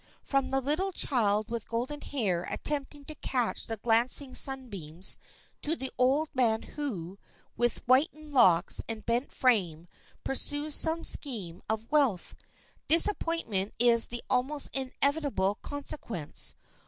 From the little child with golden hair attempting to catch the glancing sunbeams to the old man who, with whitened locks and bent frame, pursues some scheme of wealth, disappointment is the almost inevitable consequence.